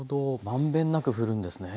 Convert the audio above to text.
まんべんなくふるんですね。